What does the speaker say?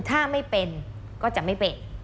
ถ้าไม่เป็นก็จะไม่เป็น